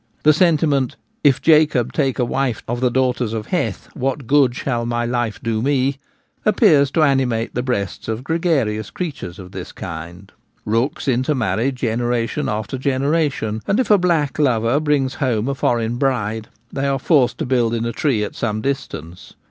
The sentiment, ' If Jacob take a wife of the daughters of Hcth, what good shall my life do me ?' appears to animate the breasts of gregarious creatures of this kind. Rooks intermarry generation after gene ration ; and if a black lover brings home a foreign bride they arc forced to build in a tree at some dis tance.